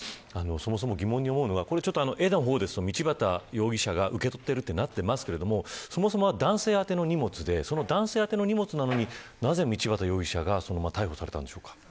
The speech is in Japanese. そもそも疑問に思うのが絵の方ですと道端容疑者が受け取ってるようになってますがそもそもは男性宛ての荷物でその男性宛ての荷物なのになぜ道端容疑者が逮捕されたのでしょうか。